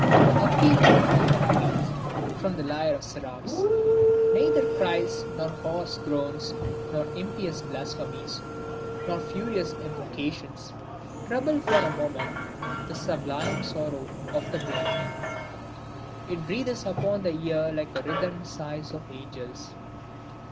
The appeal of human grief from the lyre of seraphs! Neither cries, nor hoarse groans, nor impious blasphemies, nor furious imprecations, trouble for a moment the sublime sorrow of the plaint: it breathes upon the ear like the rhythmed sighs of angels.